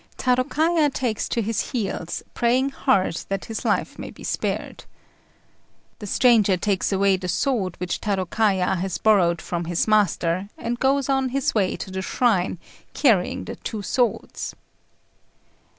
Tarôkaja takes to his heels, praying hard that his life may be spared. The stranger takes away the sword which Tarôkaja has borrowed from his master, and goes on his way to the shrine, carrying the two swords.